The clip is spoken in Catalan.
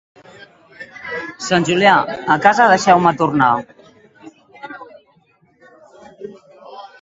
Sant Julià, a casa deixeu-me tornar.